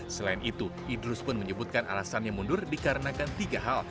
selain itu idrus pun menyebutkan alasannya mundur dikarenakan tiga hal